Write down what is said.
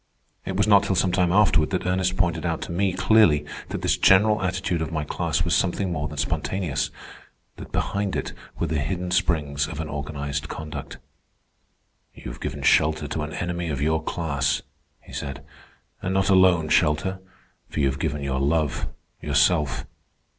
It was not till some time afterward that Ernest pointed out to me clearly that this general attitude of my class was something more than spontaneous, that behind it were the hidden springs of an organized conduct. "You have given shelter to an enemy of your class," he said. "And not alone shelter, for you have given your love, yourself.